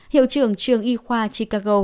hiệu trưởng trường y khoa chicago